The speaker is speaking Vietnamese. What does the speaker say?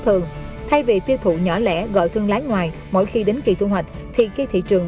thường thay vì tiêu thụ nhỏ lẻ gọi thương lái ngoài mỗi khi đến kỳ thu hoạch thì khi thị trường